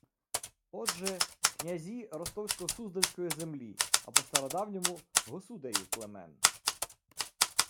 Отже, князі ростовсько-суздальської землі, а по-стародавньому – «государі» племен